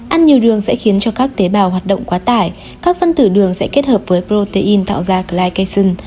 ăn nhiều đường sẽ khiến cho các tế bào hoạt động quá tải các phân tử đường sẽ kết hợp với protein tạo ra clycation